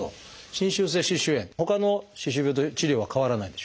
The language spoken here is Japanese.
侵襲性歯周炎ほかの歯周病と治療は変わらないんでしょうか？